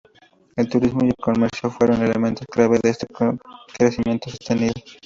El turismo y el comercio fueron elementos clave de este crecimiento sostenido.